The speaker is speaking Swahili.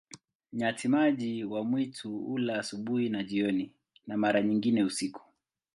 Nyati-maji wa mwitu hula asubuhi na jioni, na mara nyingine usiku.